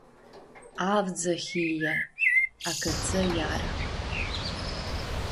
“Avdzã hilje”, acãtsã iara.